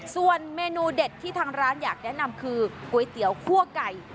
ส่วนเมนูเด็ดที่ทางร้านอยากแนะนำคือก๋วยเตี๋ยวคั่วไก่